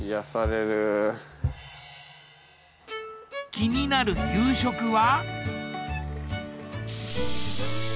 気になる夕食は？